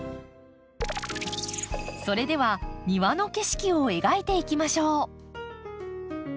それでは庭の景色を描いていきましょう。